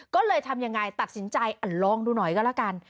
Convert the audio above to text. ก็เลยทำยังไงตัดสินใจลองดูหน่อยก็แล้วกัน